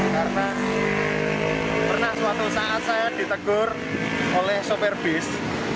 karena pernah suatu saat saya ditegur oleh soper bis